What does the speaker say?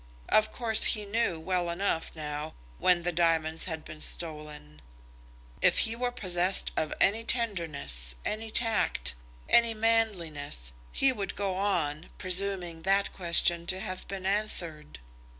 Of course he knew, well enough, now, when the diamonds had been stolen. If he were possessed of any tenderness, any tact, any manliness, he would go on, presuming that question to have been answered.